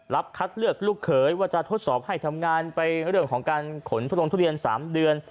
คัดเลือกลูกเขยว่าจะทดสอบให้ทำงานไปเรื่องของการขนทุดลงทุเรียน๓เดือน